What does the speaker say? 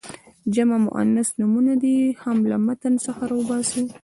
جمع مؤنث نومونه دې هم له متن څخه را وباسي.